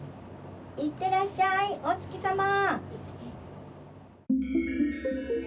いってらっしゃい、お月さま」。